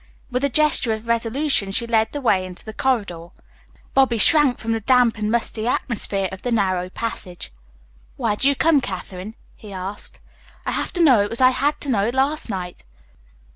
With a gesture of resolution she led the way into the corridor. Bobby shrank from the damp and musty atmosphere of the narrow passage. "Why do you come, Katherine?" he asked. "I have to know, as I had to know last night."